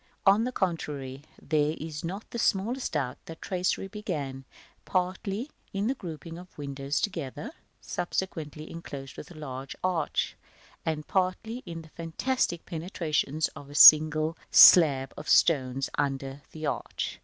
On the contrary, there is not the smallest doubt that tracery began, partly, in the grouping of windows together (subsequently enclosed within a large arch), and partly in the fantastic penetrations of a single slab of stones under the arch, as the circle in Plate V. above.